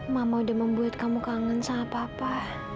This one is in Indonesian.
mama udah membuat kamu kangen sama papa